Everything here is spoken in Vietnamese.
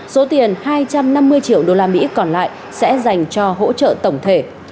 số tiền hai trăm năm mươi triệu đô la mỹ còn lại sẽ dành cho hỗ trợ tổng thể